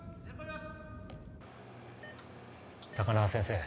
高輪先生